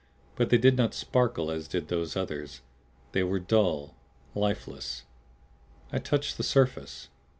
But they did not sparkle as did those others; they were dull, lifeless. I touched the surface.